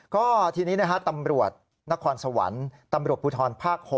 ก็ทีนี้นะฮะตำรวจนครสวรรค์ตำรวจภูทรภาค๖